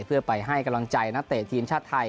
เพื่อไปให้กำลังใจนักเตะทีมชาติไทย